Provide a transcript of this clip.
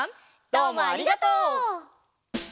どうもありがとう。